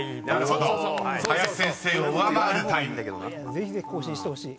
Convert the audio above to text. ぜひぜひ更新してほしい。